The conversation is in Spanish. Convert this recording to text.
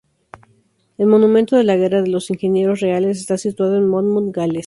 El monumento de la guerra de los Ingenieros Reales está situado en Monmouth, Gales.